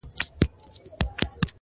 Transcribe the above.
پوليس کور ته راځي او پلټنه پيلوي ژر،